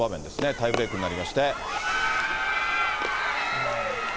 タイブレークになりまして。